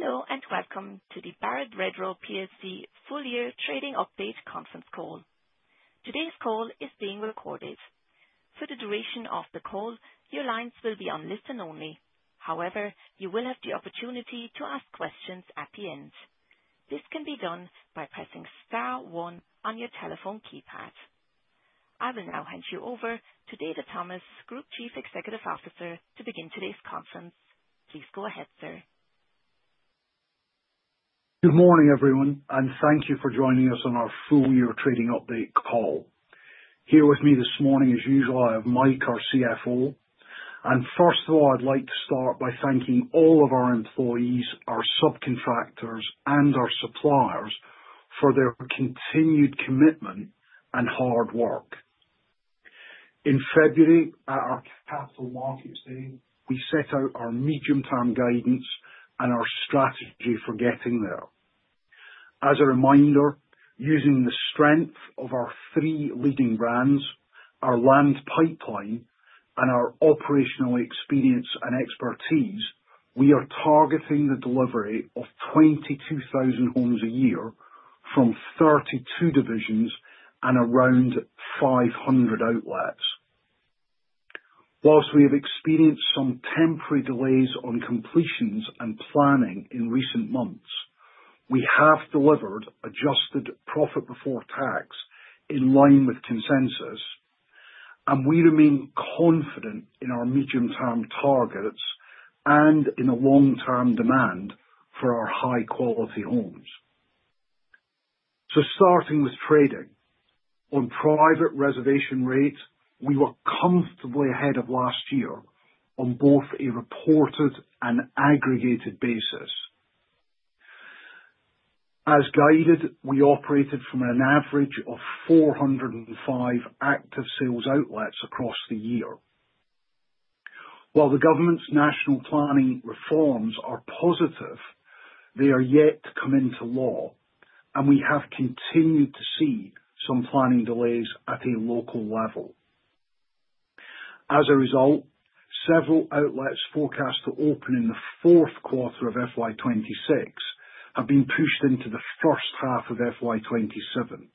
Hello, and welcome to the Barrett RedRoad PLC Full Year Trading Update Conference Call. Today's call is being recorded. I will now hand you over to David Thomas, Group Chief Executive Officer, to begin today's conference. Please go ahead, sir. Good morning, everyone, and thank you for joining us on our full year trading update call. Here with me this morning, as usual, I have Mike, our CFO. And first of all, I'd like to start by thanking all of our employees, subcontractors and our suppliers for their continued commitment and hard work. In February, at our Capital Markets Day, we set out our medium term guidance and our strategy for getting there. As a reminder, using the strength of our three leading brands, our land pipeline and our operational experience and expertise, we are targeting the delivery of 22,000 homes a year from 32 divisions and around 500 outlets. Whilst we have experienced some temporary delays on completions and planning in recent months, we have delivered adjusted profit before tax in line with consensus, and we remain confident in our medium term targets and in a long term demand for our high quality homes. So starting with trading. On private reservation rates, we were comfortably ahead of last year on both a reported and aggregated basis. As guided, we operated from an average of four zero five active sales outlets across the year. While the government's national planning reforms are positive, they are yet to come into law, and we have continued to see some planning delays at a local level. As a result, several outlets forecast to open in the 2026 have been pushed into the first half of FY twenty twenty seven.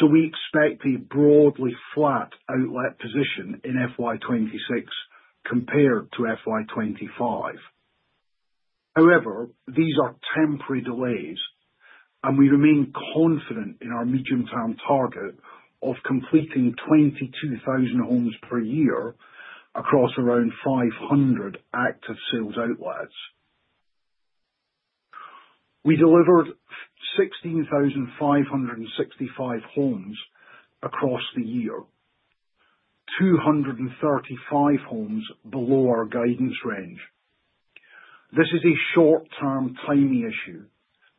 So we expect a broadly flat outlet position in FY twenty twenty six compared to FY twenty twenty five. However, these are temporary delays, and we remain confident in our medium term target of completing 22,000 homes per year across around 500 active sales outlets. We delivered 16,565 homes across the year, two thirty five homes below our guidance range. This is a short term timing issue,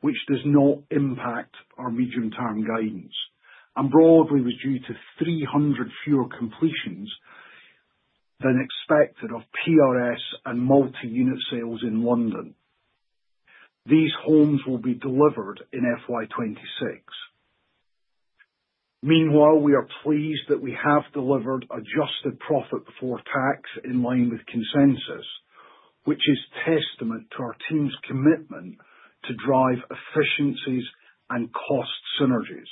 which does not impact our medium term guidance and broadly was due to 300 fewer completions than expected of PRS and multiunit sales in London. These homes will be delivered in FY 2026. Meanwhile, we are pleased that we have delivered adjusted profit before tax in line with consensus, which is testament to our team's commitment to drive efficiencies and cost synergies.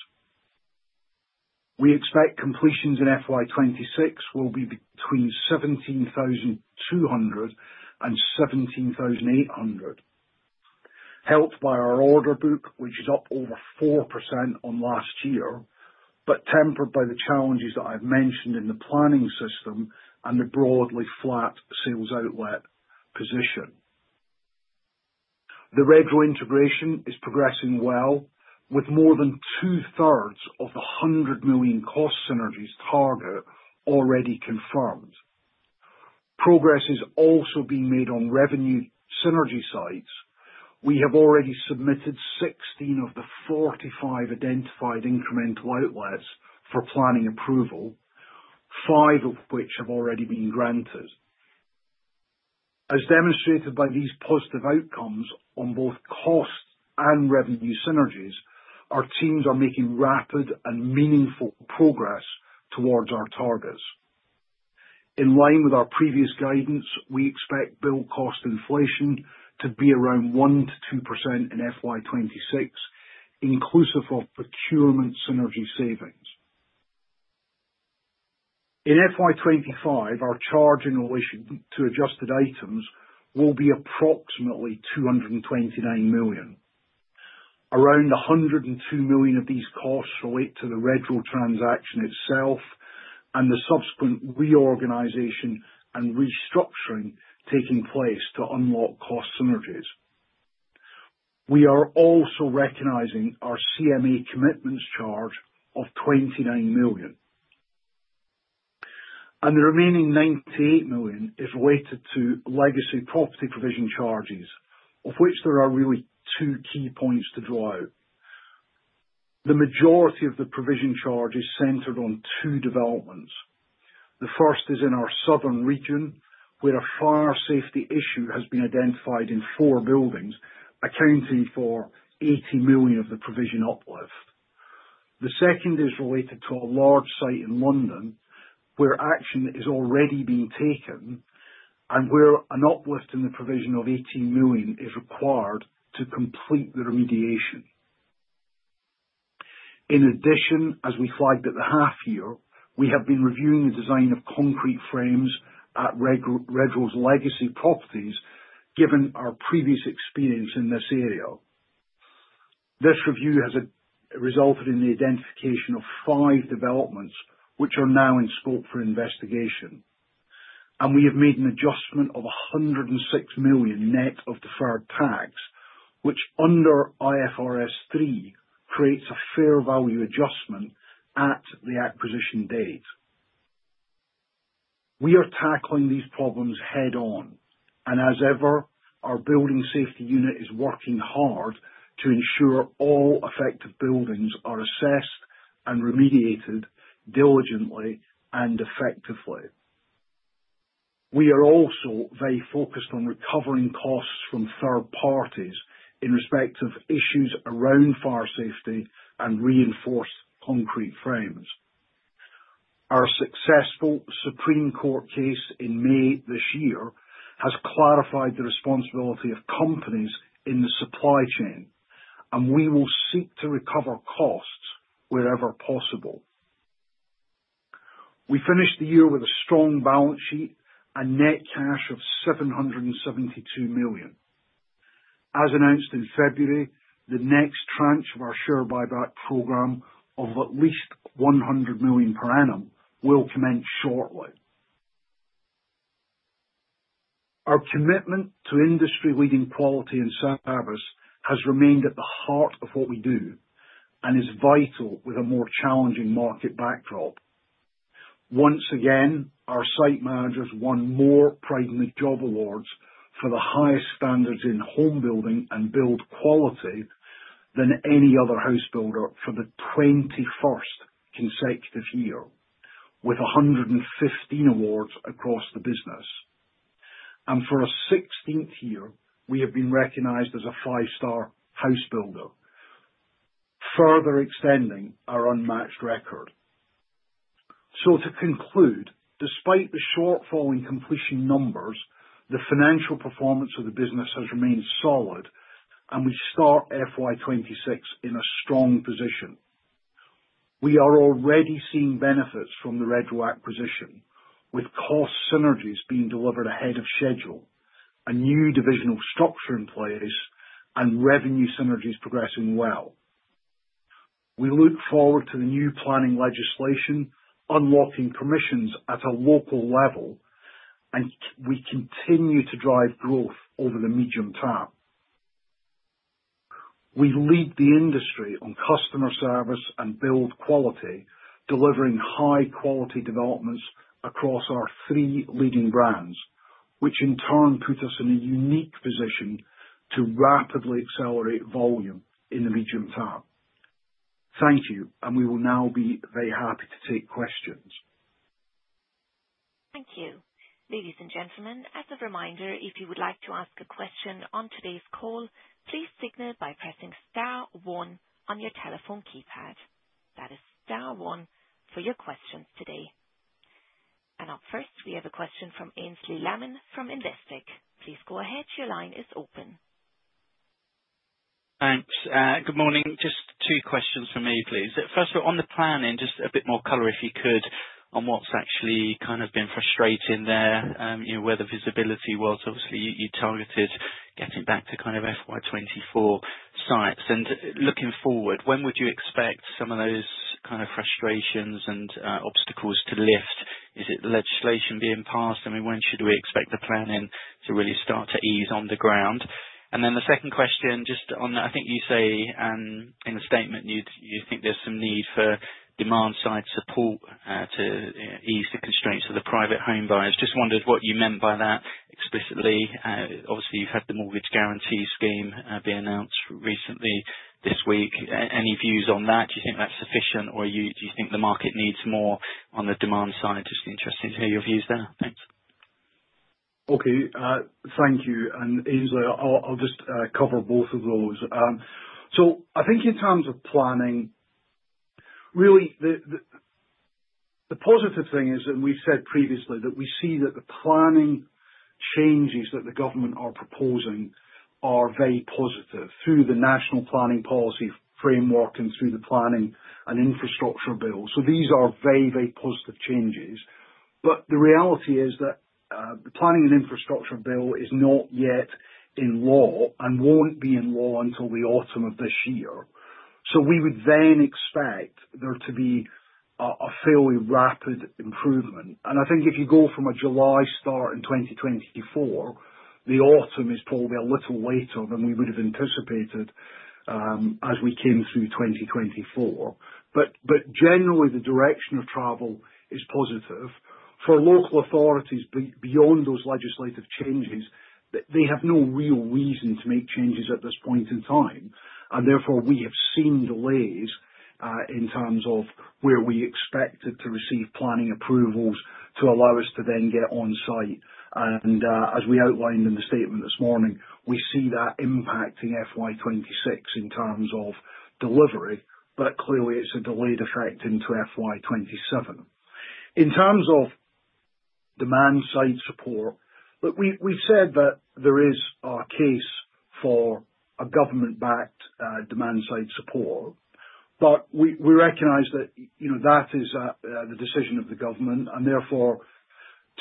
We expect completions in FY 2026 will be between 234,800, helped by our order book, which is up over 4% on last year, but tempered by the challenges that I've mentioned in the planning system and the broadly flat sales outlet position. The Retro integration is progressing well with more than twothree of the £100,000,000 cost synergies target already confirmed. Progress is also being made on revenue synergy sites. We have already submitted 16 of the 45 identified incremental outlets for planning approval, five of which have already been granted. As demonstrated by these positive outcomes on both cost and revenue synergies, our teams are making rapid and meaningful progress towards our targets. In line with our previous guidance, we expect build cost inflation to be around 1% to 2% in FY 2026, inclusive of procurement synergy savings. In FY 2025, our charge in relation to adjusted items will be approximately GBP $229,000,000. Around 102,000,000 of these costs relate to the retro transaction itself and the subsequent reorganization and restructuring taking place to unlock cost synergies. We are also recognizing our CMA commitments charge of GBP 29,000,000. And the remaining GBP 98,000,000 is weighted to legacy property provision charges, of which there are really two key points to draw out. The majority of the provision charge is centered on two developments. The first is in our southern region, where a fire safety issue has been identified in four buildings, accounting for £80,000,000 of the provision uplift. The second is related to a large site in London, where action is already being taken and where an uplift in the provision of 18,000,000 is required to complete the remediation. In addition, as we flagged at the half year, we have been reviewing the design of concrete frames at RedRoll's legacy properties given our previous experience in this area. This review has resulted in the identification of five developments, which are now in scope for investigation. And we have made an adjustment of $106,000,000 net of deferred tax, which under IFRS three creates a fair value adjustment at the acquisition date. We are tackling these problems head on. And as ever, our Building Safety Unit is working hard to ensure all effective buildings are assessed and remediated diligently and effectively. We are also very focused on recovering costs from third parties in respect of issues around fire safety and reinforced concrete frames. Our successful Supreme Court case in May has clarified the responsibility of companies in the supply chain, and we will seek to recover costs wherever possible. We finished the year with a strong balance sheet and net cash of $772,000,000. As announced in February, the next tranche of our share buyback program of at least 100,000,000 per annum will commence shortly. Our commitment to industry leading quality and service has remained at the heart of what we do and is vital with a more challenging market backdrop. Once again, our site managers won more Pride and the Job Awards for the highest standards in homebuilding and build quality than any other housebuilder for the twenty first consecutive year, with 115 awards across the business. And for a sixteenth year, we have been recognized as a five star housebuilder, further extending our unmatched record. So to conclude, despite the shortfall in completion numbers, the financial performance of the business has remained solid, and we start FY 2026 in a strong position. We are already seeing benefits from the Redro acquisition, with cost synergies being delivered ahead of schedule, a new divisional structure in place and revenue synergies progressing well. We look forward to the new planning legislation, unlocking permissions at a local level, and we continue to drive growth over the medium term. We lead the industry on customer service and build quality, delivering high quality developments across our three leading brands, which in turn put us in a unique position to rapidly accelerate volume in the medium term. Thank you, and we will now be very happy to take questions. Thank And up first, we have a question from Ainsley Lammon from Investec. Just two questions for me, please. First of on the planning, just a bit more color, if you could, on what's actually kind of been frustrating there, where the visibility was. Obviously, you targeted getting back to kind of FY 'twenty four sites. And looking forward, when would you expect some of those kind of frustrations and obstacles to lift? Is it the legislation being passed? I mean when should we expect the planning to really start to ease on the ground? And then the second question, just on I think you say in the statement, you think there's some need for demand side support to ease the constraints of the private homebuyers. Just wondered what you meant by that explicitly. Obviously, you've had the mortgage guarantee scheme be announced recently this week. Any views on that? Do you think that's sufficient? Or do you think the market needs more on the demand side? Just interested to hear your views there. Okay. Thank you. And, Ainsley, I'll just cover both of those. So I think in terms of planning, really, positive thing is, and we've said previously, that we see that the planning changes that the government are proposing are very positive through the national planning policy framework and through the planning and infrastructure bill. So these are very, very positive changes, but the reality is that the planning and infrastructure bill is not yet in law and won't be in law until the autumn of this year. So we would then expect there to be a fairly rapid rapid improvement. And I think if you go from a July start in 2024, the autumn is probably a little later than we would have anticipated as we came through 2024. But generally, the direction of travel is positive. For local authorities beyond those legislative changes, they have no real reason to make changes at this point in time. And therefore, we have seen delays in terms of where we expected to receive planning approvals to allow us to then get on-site. And as we outlined in the statement this morning, we see that impacting FY 2026 in terms of delivery, but clearly, it's a delayed effect into FY '27. In terms of demand side support, look, we've said that there is a case for a government backed demand side support, But we recognize that, that is the decision of the government and therefore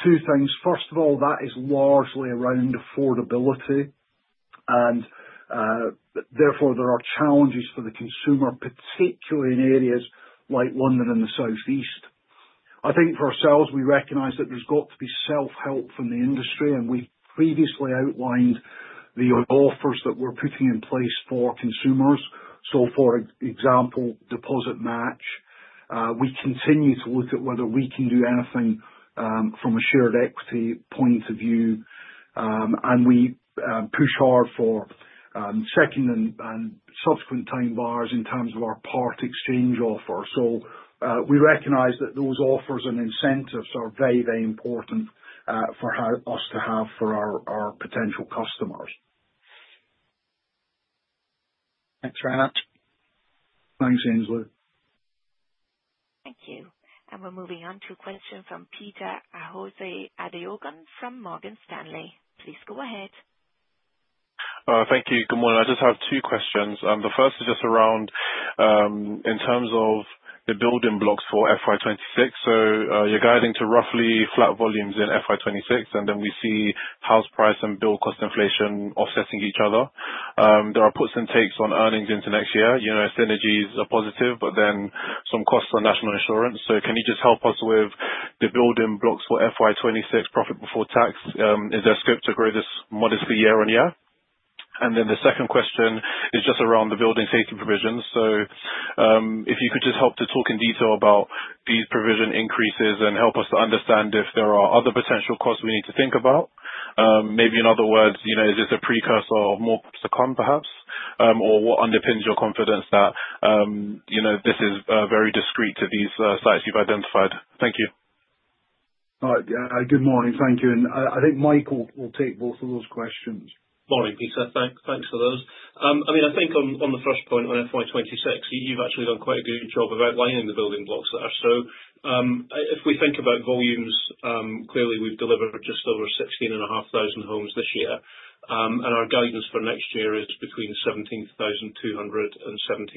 two things. First of all, that is largely around affordability and therefore, there are challenges for the consumer, particularly in areas like London and the Southeast. I think for ourselves, we recognize that there's got to be self help from the industry, and we previously outlined the offers that we're putting in place for consumers. So for example, deposit match. We continue to look at whether we can do anything from a shared equity point of view, And we push hard for second and subsequent time bars in terms of our part exchange offer. So we recognize that those offers and incentives are very, very important for us to have for our potential customers. And we're moving on to a question from Peter Arjose Adejon from Morgan Stanley. Please go ahead. Thank you. Good morning. I just have two questions. The first is just around in terms of the building blocks for FY 'twenty six. So you're guiding to roughly flat volumes in FY 'twenty six and then we see house price and build cost inflation offsetting each other. There are puts and takes on earnings into next year. Synergies are positive, but then some costs on National Insurance. So can you just help us with the building blocks for FY 2026 profit before tax? Is there scope to grow this modestly year on year? And then the second question is just around the building safety provisions. So if you could just help to talk in detail about these provision increases and help us to understand if there are other potential costs we need to think about. Maybe in other words, is this a precursor of more to come perhaps? Or what underpins your confidence that this is very discrete to these sites you've identified? Thank you. Good morning. Thank you. And I think Michael will take both of those questions. Good morning, Peter. Thanks for those. I mean, think on the first point on FY 2026, you've actually done quite a good job of outlining the building blocks there. So if we think about volumes, clearly, we've delivered just over 16,500 homes this year. And our guidance for next year is between 234,800. So at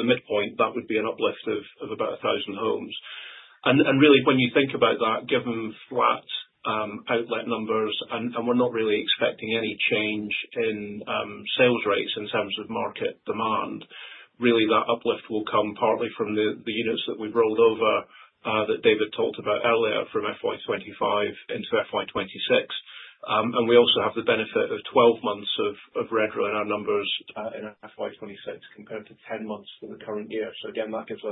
the midpoint, that would be an uplift of about 1,000 homes. And really, you think about that, given flat outlet numbers and we're not really expecting any change in sales rates in terms of market demand, really that uplift will come partly from the units that we've rolled over that David talked about earlier from FY twenty twenty five into FY 2026. And we also have the benefit of twelve months of REDRA in our numbers in FY 2026 compared to 10 for the current year. So again, that gives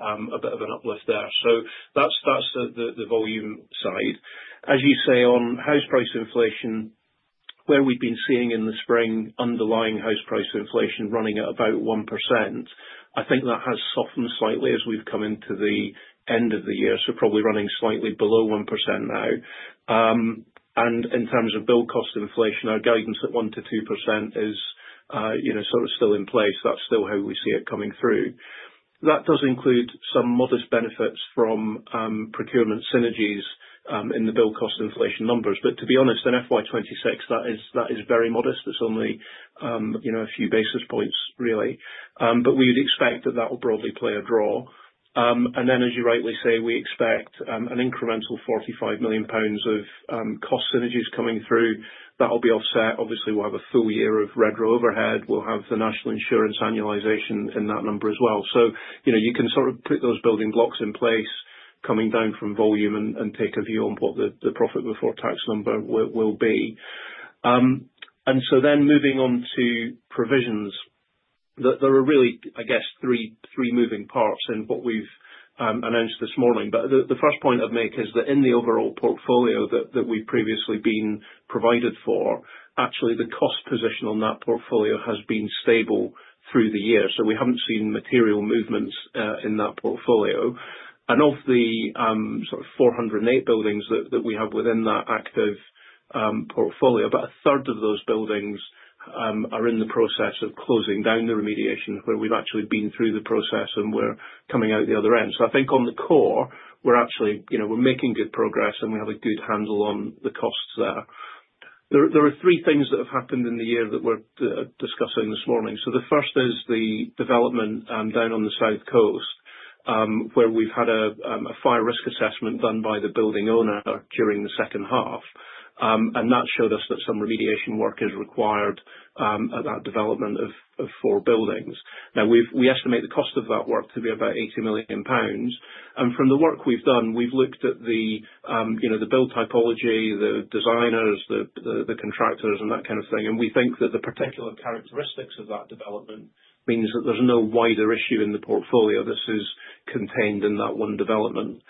us a bit of an uplift there. So that's the volume side. As you say on house price inflation, where we've been seeing in the spring underlying house price inflation running at about 1%, I think that has softened slightly as we've come into the end of the year, so probably running slightly below 1% now. And in terms of build cost inflation, our guidance at 1% to 2% is, you know, sort of still in place. That's still how we see it coming through. That does include some modest benefits from procurement synergies in the build cost inflation numbers. But to be honest, in FY 2026, that is very modest. It's only a few basis points really. But we would expect that, that will broadly play a draw. And then as you rightly say, we expect an incremental 45,000,000 pounds of cost synergies coming through that will be offset. Obviously, we'll have a full year of RedRow overhead. We'll have the national insurance annualization in that number as well. So you can sort of put those building blocks in place coming down from volume and take a view on what the profit before tax number will be. And so then moving on to provisions, there are really, I guess, three moving parts in what we've announced this morning. But the first point I'd make is that in the overall portfolio that we've previously been provided for, actually the cost position on that portfolio has been stable through the year. So we haven't seen material movements in that portfolio. And of the sort of four zero eight buildings that we have within that active portfolio, about a third of those buildings are in the process of closing down the remediation where we've actually been through the process and we're coming out the other end. So I think on the core, we're actually, you know, we're making good progress and we have a good handle on the costs there. There are three things that have happened in the year that we're discussing this morning. So the first is the development down on the South Coast where we've had a fire risk assessment done by the building owner during the second half and that showed us that some remediation work is required about development of four buildings. Now we estimate the cost of that work to be about £80,000,000 and from the work we've done, we've looked at the, you know, the build typology, the designers, the contractors and that kind of thing and we think that the particular characteristics of that development means that there's no wider issue in the portfolio that is contained in that one development.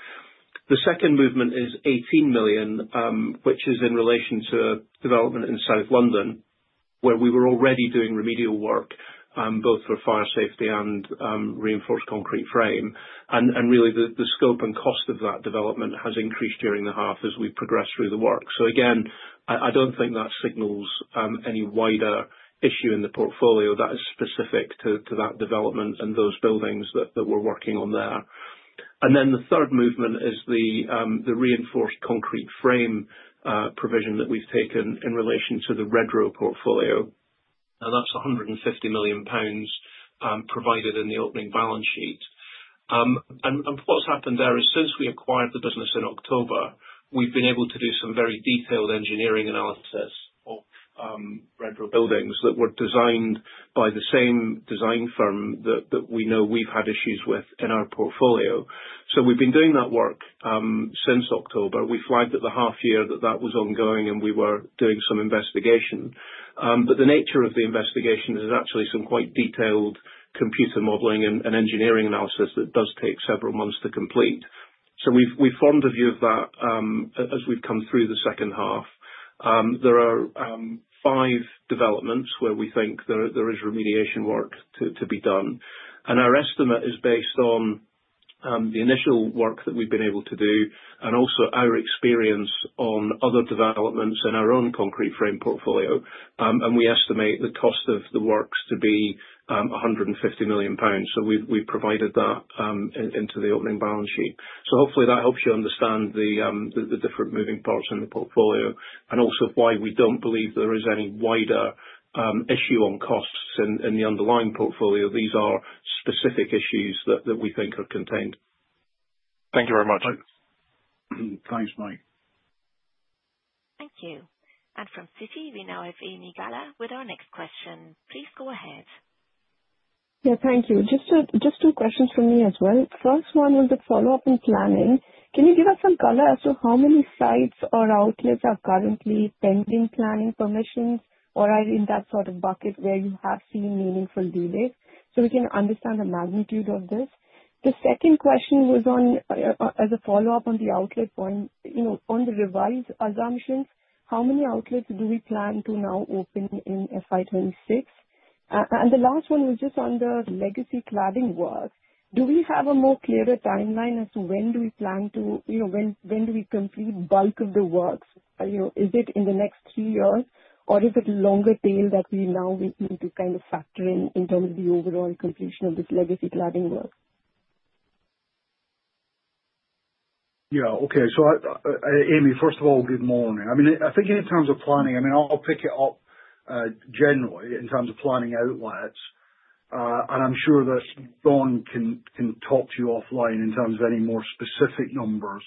The second movement is $18,000,000 which is in relation to development in South London, where we were already doing remedial work both for fire safety and reinforced concrete frame and really the scope and cost of that development has increased during the half as we progress through the work. So again, I don't think that signals any wider issue in the portfolio that is specific to that development and those buildings that we're working on there. And then the third movement is the reinforced concrete frame provision that we've taken in relation to the retro portfolio. Now that's £150,000,000 provided in the opening balance sheet. And what's happened there is since we acquired the business in October, we've been able to do some very detailed engineering analysis of Red Bull buildings that were designed by the same design firm that we know we've had issues with in our portfolio. So we've been doing that work since October. We flagged at the half year that that was ongoing and we were doing some investigation. But the nature of the investigation is actually some quite detailed computer modeling and engineering analysis that does take several months to complete. So we've formed a view of that as we've come through the second half. There are five developments where we think there is remediation work to be done. And our estimate is based on the initial work that we've been able to do and also our experience on other developments in our own concrete frame portfolio. And we estimate the cost of the works to be 150,000,000 pounds. So we provided that into the opening balance sheet. So hopefully that helps you understand the different moving parts in the portfolio and also why we don't believe there is any wider issue on costs in the underlying portfolio. These are specific issues that we think are contained. Thank you very much. Thanks, Mike. Thank you. And from Citi, we now have Amy Gala with our next question. Please go ahead. Yes, thank you. Just two questions from me as well. First one was a follow-up in planning. Can you give us some color as to how many sites or outlets are currently pending planning permissions? Or are you in that sort of bucket where you have seen meaningful delays so we can understand the magnitude of this? The second question was on as a follow-up on the outlet point. On the revised assumptions, how many outlets do we plan to now open in FY 'twenty six? And the last one was just on the legacy cladding work. Do we have a more clearer time line as to when do we plan to when do we complete bulk of the works? Is it in the next three years? Or is it longer tail that we now need to kind of factor in, in terms of the overall completion of this legacy cladding work? Okay. So Amy, first of all, good morning. I mean I think in terms of planning, I mean I'll pick it up generally in terms of planning outlets. And I'm sure that Don can talk to you offline in terms of any more specific numbers.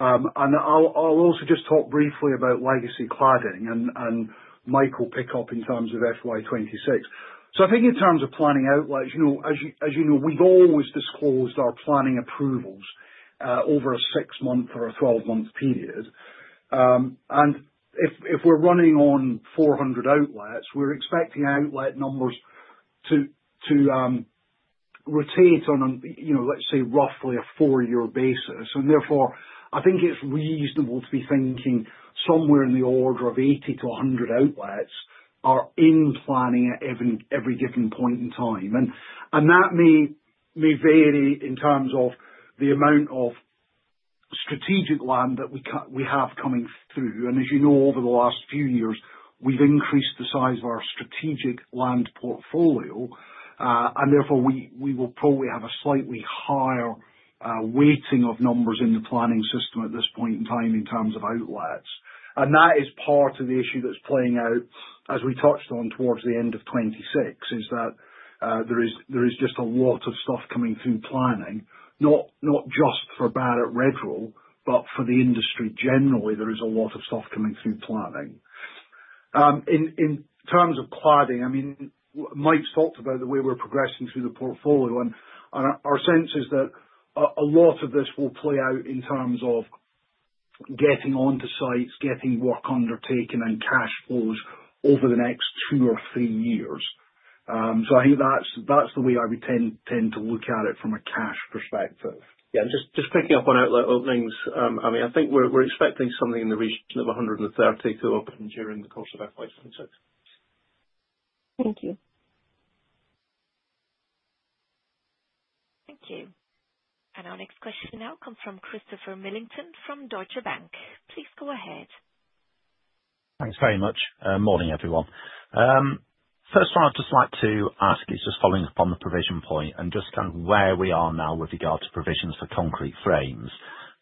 And I'll also just talk briefly about legacy cladding, and Mike will pick up in terms of FY 2026. So I think in terms of planning out, as you know, we've always disclosed our planning approvals over a six month or a twelve month period. And if we're running on 400 outlets, we're expecting outlet numbers to rotate on, let's say, roughly a four year basis. And therefore, I think it's reasonable to be thinking somewhere in the order of 80 to 100 outlets are in planning at every different point in time. And that may vary in terms of the amount of strategic land that we have coming through. And as you know, over the last few years, we've increased the size of our strategic land portfolio, and therefore, we will probably have a slightly higher weighting of numbers in the planning system at this point in time in terms of outlets. And that is part of the issue that's playing out, as we touched on towards the end of twenty twenty six, is that there is just a lot of stuff coming through planning, not just for Barrett Red Roll, but for the industry generally, there is a lot of stuff coming through planning. In terms of cladding, I mean, Mike's talked about the way we're progressing through the portfolio. And our sense is that a lot of this will play out in terms of getting on to sites, getting work undertaken and cash flows over the next two or three years. So I think that's the way I would tend to look at it from a cash perspective. Yes. And just picking up on outlet openings. I mean I think we're expecting something in the region of 130,000,000 to open during the course of FY twenty six. Thank you. Thank you. And our next question now comes from Christopher Millington from Deutsche Bank. Please go ahead. Thanks very much. Good morning, everyone. First one, I'd just like to ask is just following up on the provision point and just kind of where we are now with regard to provisions for concrete frames.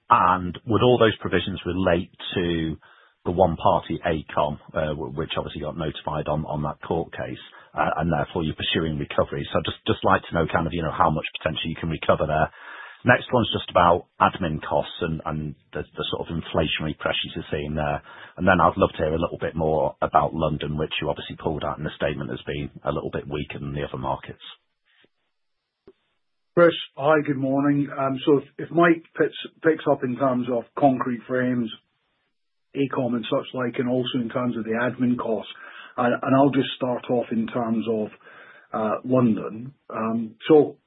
And would all those provisions relate to the one party ACOM, which obviously got notified on that court case, and therefore, you're pursuing recovery. So I'd just like to know kind of how much potentially you can recover there. Next one is just about admin costs and the sort of inflationary pressures you're seeing there. And then I'd love to hear a little bit more about London, which you obviously pulled out in the statement as being a little bit weaker than the other markets. Chris, hi, good morning. So if Mike picks up in terms of concrete frames, AECOM and such like, and also in terms of the admin costs, and I'll just start off in terms of London. So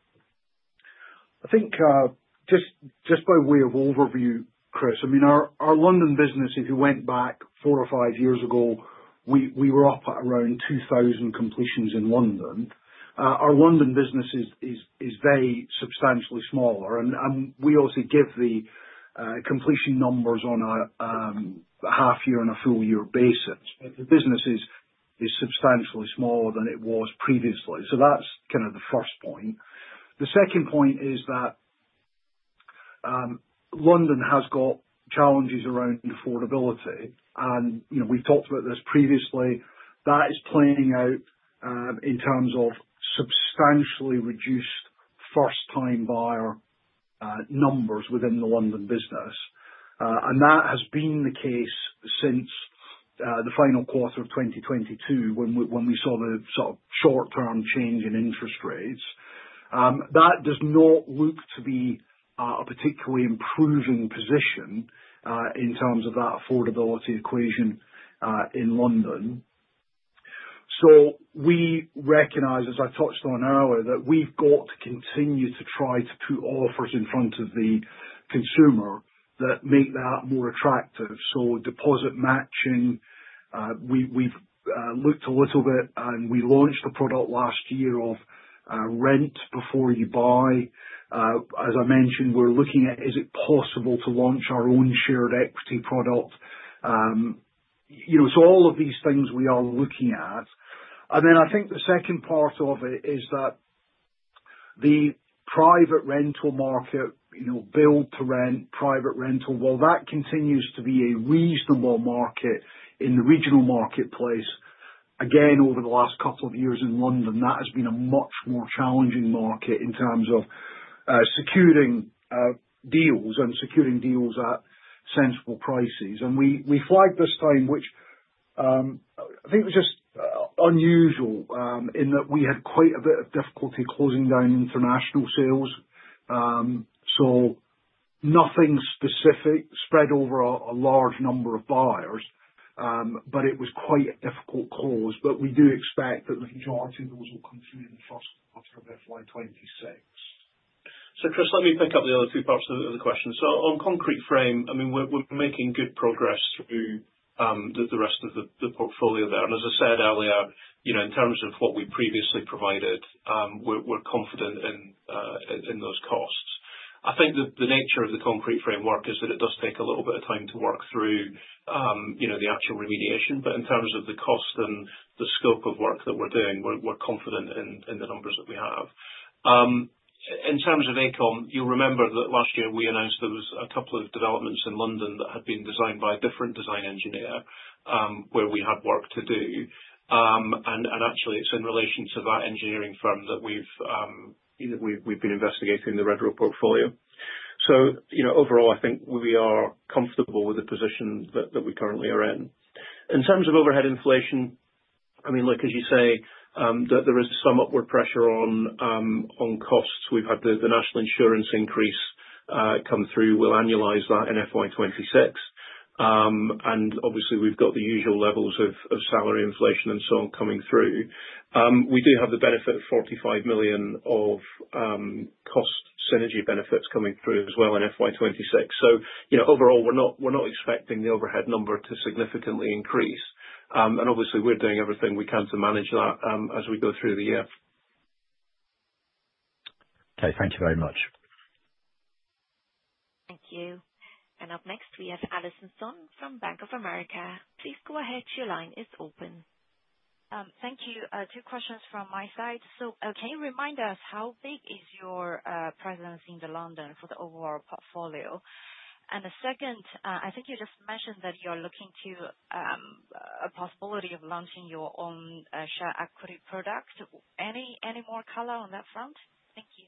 I think just by way of overview, Chris, I mean, our London business, if you went back four or five years ago, we were up around 2,000 completions in London. Our London business is very substantially smaller, and we also give the completion numbers on a half year and a full year basis. The business is substantially smaller than it was previously. So that's kind of the first point. The second point is that London has got challenges around affordability. And, you know, we've talked about this previously. That is playing out in terms of substantially reduced first time buyer numbers within the London business. And that has been the case since the 2022 when we saw the sort of short term change in interest rates. That does not look to be a particularly improving position in terms of that affordability equation in London. So we recognize, as I touched on earlier, that we've got to continue to try to put offers in front of the consumer that make that more attractive. So deposit matching, we've looked a little bit and we launched a product last year of rent before you buy. As I mentioned, we're looking at is it possible to launch our own shared equity product. So all of these things we are looking at. And then I think the second part of it is that the private rental market, build to rent private rental, while that continues to be a reasonable market in the regional marketplace, again, over the last couple of years in London, that has been a much more challenging market in terms of securing deals and securing deals at sensible prices. And we we flagged this time, which I think was just unusual, in that we had quite a bit of difficulty closing down international sales. So nothing specific spread over a large number of buyers, but it was quite a difficult cause. But we do expect that the majority of those will come through in the first quarter of FY twenty six. So Chris, let me pick up the other two parts of the question. So on concrete frame, I mean, we're making good progress through the rest of the portfolio there. And as I said earlier, you know, in terms of what we previously provided, we're confident in those costs. I think the nature of the concrete framework is that it does take a little bit of time to work through, you know, the actual remediation. But in terms of the cost and the scope of work that we're doing, we're confident in the numbers that we have. In terms of AECOM, you'll remember that last year we announced there was a couple of developments in London that had been designed by a different design engineer where we have work to do. And actually it's in relation to that engineering firm that we've been investigating the Red Rock portfolio. So, you know, overall, I think we are comfortable with the position that we currently are in. In terms of overhead inflation, I mean, look, as you say, there is some upward pressure on costs. We've had the national insurance increase come through. We'll annualize that in FY 2026. And obviously, we've got the usual levels of salary inflation and so on coming through. We do have the benefit of $45,000,000 of cost synergy benefits coming through as well in FY 2026. So overall, we're expecting the overhead number to significantly increase. And obviously, we're doing everything we can to manage that as we go through the year. Okay. Thank you very much. Thank you. And up next, we have Alison Son from Bank of America. Please go ahead. Your line is open. Thank you. Two questions from my side. So can you remind us how big is your presence in the London for the overall portfolio? And the second, I think you just mentioned that you're looking to a possibility of launching your own share equity product. Any more color on that front? Thank you.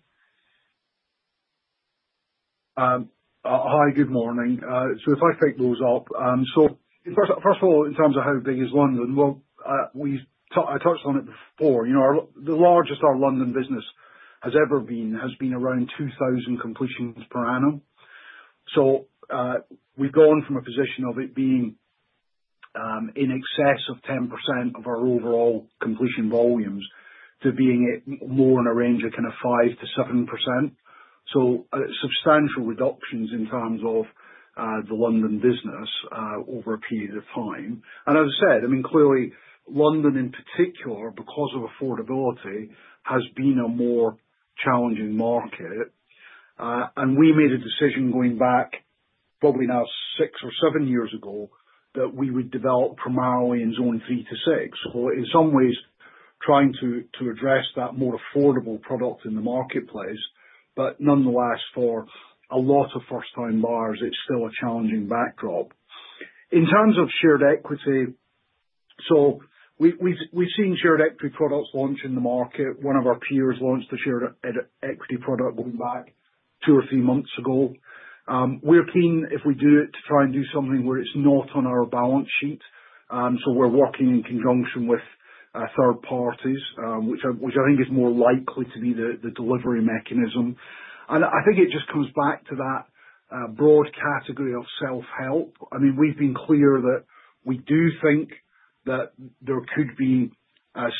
Hi, good morning. So if I take those off. So first of all, in terms of how big is London, well, we I touched on it before. The largest our London business has ever been has been around 2,000 completions per annum. So we've gone from a position of it being in excess of 10% of our overall completion volumes to being more in a range of kind of 5% to 7%. So substantial reductions in terms of the London business over a period of time. And as I said, I mean, clearly, London in particular, because of affordability, has been a more challenging market. And we made a decision going back probably now six or seven years ago that we would develop primarily in Zone 3 to 6, in some ways, trying to address that more affordable product in the marketplace. But nonetheless, for a lot of first time buyers, it's still a challenging backdrop. In terms of shared equity, so we've seen shared equity products launch in the market. One of our peers launched a shared equity product going back two or three months ago. We're keen, if we do it, to try and do something where it's not on our balance sheet. So we're working in conjunction with third parties, which I think is more likely to be the delivery mechanism. And I think it just comes back to that broad category of self help. I mean, we've been clear that we do think that there could be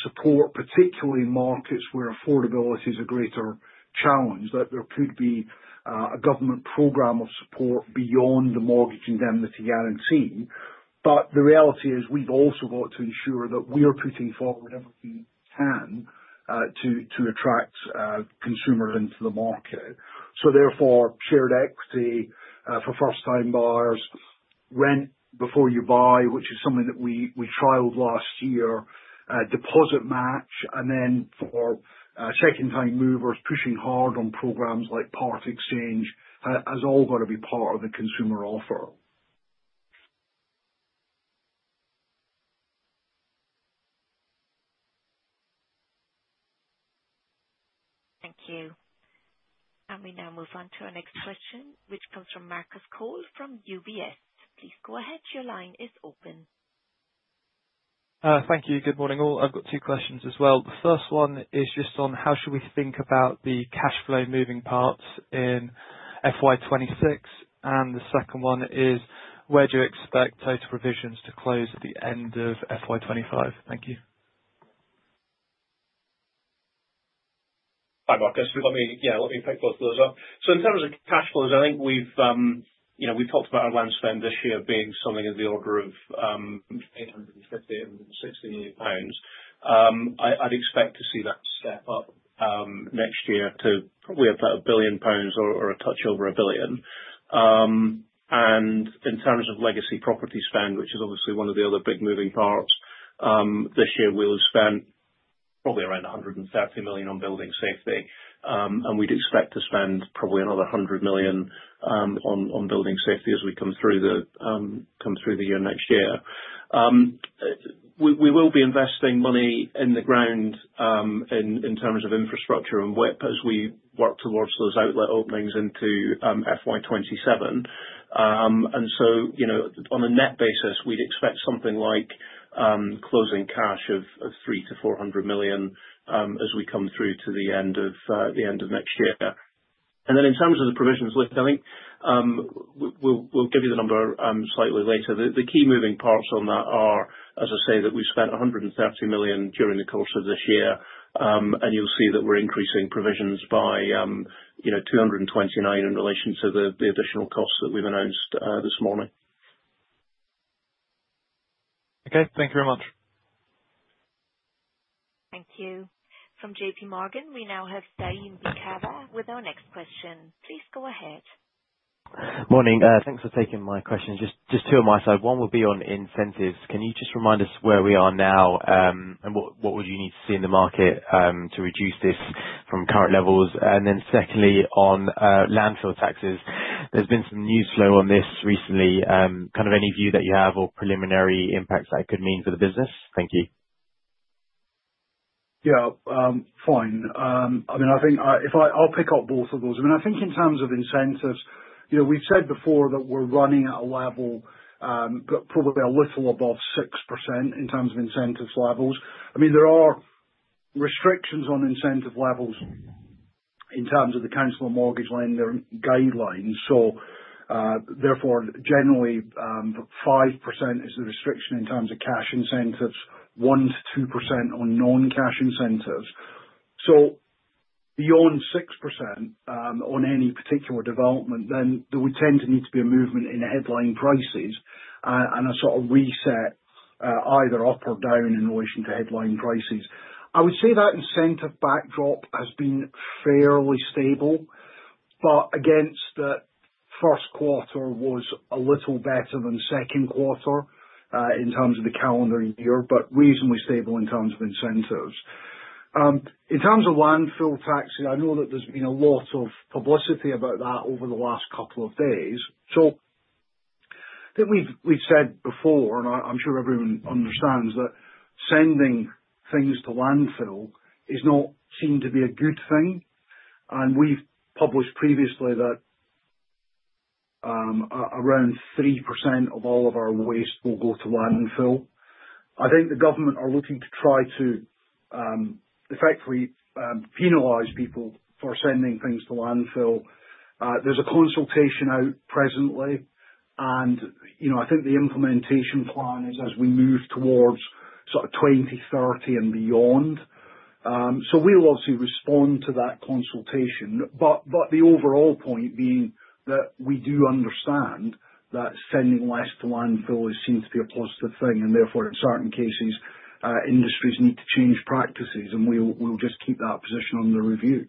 support, particularly in markets where affordability is a greater challenge, that there could be a government program of support beyond the mortgage indemnity guarantee. But the reality is we've also got to ensure that we are putting forward everything we can to attract consumers into the market. So therefore, equity for first time buyers, rent before you buy, which is something that we trialed last year, deposit match and then for check-in time movers pushing hard on programs like part exchange has all got to be part of the consumer offer. And we now move on to our next question, which comes from Markus Cole from UBS. I've got two questions as well. The first one is just on how should we think about the cash flow moving parts in FY 2026? And the second one is where do you expect total provisions to close at the end of FY twenty twenty five? Thank you. Hi, Marcus. Let me yes, let me pick both of those up. So in terms of cash flows, I think we've talked about our land spend this year being something in the order of GBP $850,000,000 and 16,000,000 pounds. I'd expect to see that step up next year to probably about 1,000,000,000 pounds or a touch over 1,000,000,000. And in terms of legacy property spend, which is obviously one of the other big moving parts, this year we'll spend probably around $130,000,000 on building safety. And we'd expect to spend probably another $100,000,000 on building safety as we come through the year next year. We will be investing money in the ground in terms of infrastructure and WIP as we work towards those outlet openings into FY 2027. And so, you know, on a net basis, we'd expect something like closing cash of 300 to $400,000,000 as we come through to the end of next year. And then in terms of the provisions, I think we'll give you the number slightly later. The key moving parts on that are, as I say, that we spent $130,000,000 during the course of this year. And you'll see that we're increasing provisions by $229,000,000 in relation to the additional costs that we've announced this morning. Okay. Thank you very much. Thank you. From JPMorgan, we now have Staime Bikhava with our next question. Please go ahead. Good morning. Thanks for taking my questions. Just two on my side. One would be on incentives. Can you just remind us where we are now? And what would you need to see in the market to reduce this from current levels? And then secondly, on landfill taxes. There's been some news flow on this recently. Kind of any view that you have or preliminary impacts that could mean for the business? Yes, fine. I mean, I think if I I'll pick up both of those. I mean, I think in terms of incentives, we've said before that we're running at a level, but probably a little above 6% in terms of incentives levels. I mean there are restrictions on incentive levels in terms of the Council of Mortgage lending guidelines. So therefore, generally, percent is the restriction in terms of cash incentives, 1% to two percent on noncash incentives. So beyond 6% on any particular development, then there would tend to need to be a movement in headline prices and a sort of reset either up or down in relation to headline prices. I would say that incentive backdrop has been fairly stable, but against the first quarter was a little better than second quarter in terms of the calendar year, but reasonably stable in terms of incentives. In terms of landfill tax, I know that there's been a lot of publicity about that over the last couple of days. So I think we've we've said before, and I'm sure everyone understands that sending things to landfill is not seemed to be a good thing, and we've published previously that around 3% of all of our waste will go to landfill. I think the government are looking to try to effectively penalize people for sending things to landfill. There's a consultation out presently, and, you know, I think the implementation plan is as we move towards sort of 2030 and beyond. So we'll obviously respond to that consultation. But the overall point being that we do understand that sending less to landfill seems to be a positive thing, and therefore, in certain cases, industries need to change practices, and we'll just keep that position under review.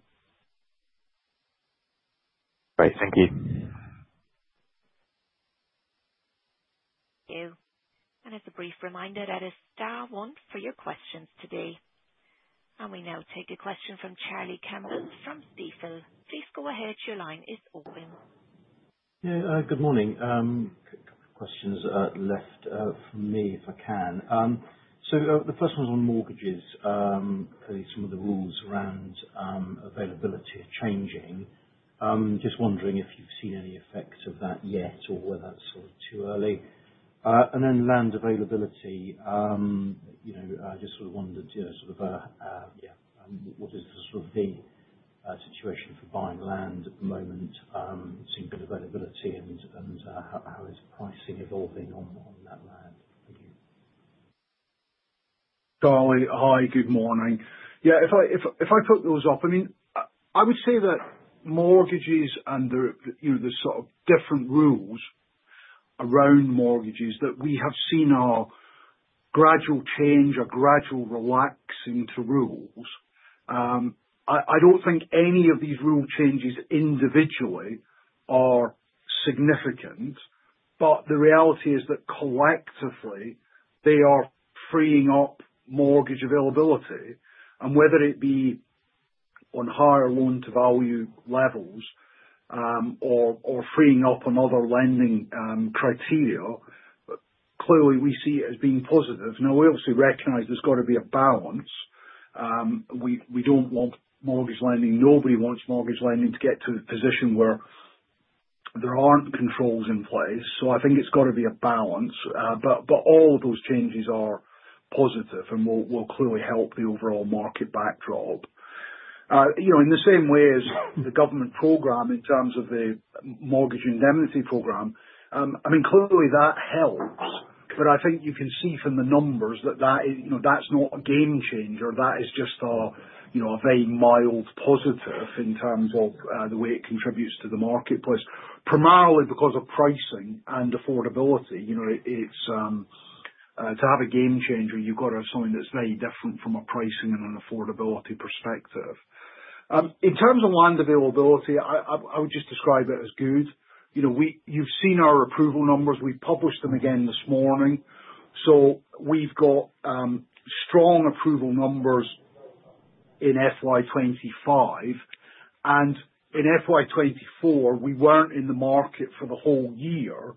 And we now take a question from Charlie Campbell from Stifel. Please go ahead. Your line is open. Yes. Good morning. Questions left for me, if I can. So the first one is on mortgages, clearly, of the rules around availability changing. Just wondering if you've seen any effects of that yet or whether it's sort of too early. And then land availability, I just sort of wondered sort of what is the sort of the situation for buying land at the moment, seeing good availability and how is pricing evolving on that land? Charlie, hi, good morning. Yes, if I put those up, I mean, I would say that mortgages under the sort of different rules around mortgages that we have seen are gradual change, a gradual relaxing to rules. I I don't think any of these rule changes individually are significant, but the reality is that collectively, they are freeing up mortgage availability. And whether it be on higher loan to value levels or freeing up another lending criteria. Clearly, we see it as being positive. Now we obviously recognize there's got to be a balance. We don't want mortgage lending. Nobody wants mortgage lending to get to a position where there aren't controls in place. So I think it's got to be a balance. But all of those changes are positive and will clearly help the overall market backdrop. In the same way as the government program in terms of the mortgage indemnity program, I mean, clearly, that helps. But I think you can see from the numbers that, that's not a game changer. That is just a very mild positive in terms of the way it contributes to the marketplace, primarily because of pricing and affordability. It's to have a game changer, you've got to have something that's very different from a pricing and an affordability perspective. In terms of land availability, I would just describe it as good. You've seen our approval numbers. We published them again this morning. So we've got strong approval numbers in FY 2025. And in FY 2024, we weren't in the market for the whole year.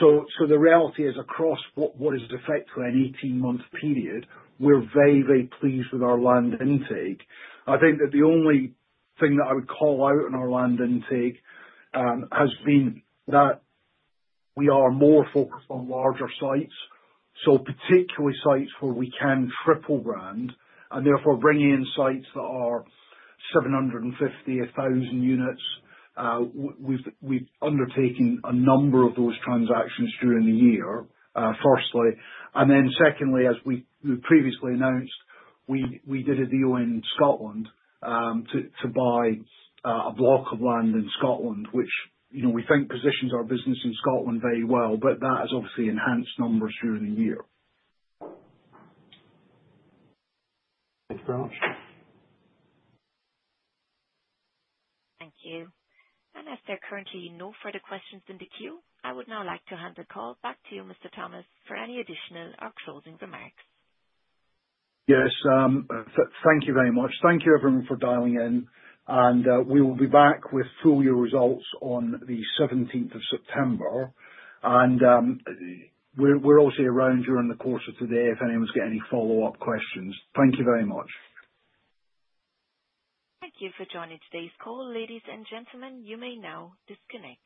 So the reality is across what is effectively an eighteen month period, we're very, very pleased with our land intake. I think that the only thing that I would call out in our land intake has been that we are more focused on larger sites, so particularly sites where we can triple brand and therefore bringing in sites that are seven and fifty thousand units, we've undertaken a number of those transactions during the year, firstly. And then secondly, as we previously announced, we did a deal in Scotland to buy a block of land in Scotland, which we think positions our business in Scotland very well, but that has obviously enhanced numbers during the year. Thank you. And as there are currently no further questions in the queue, I would now like to hand the call back to you, Mr. Thomas, for any additional or closing remarks. Yes. Thank you very much. Thank you, everyone, for dialing in, and we will be back with full year results on the September 17. And we're also around during the course of today if anyone's got any follow-up questions. Thank you very much. Thank you for joining today's call. Ladies and gentlemen, you may now disconnect.